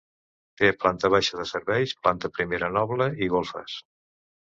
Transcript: Té planta baixa de serveis, planta primera noble i golfes.